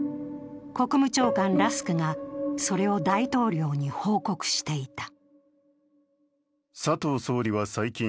国務長官・ラスクがそれを大統領に報告していた。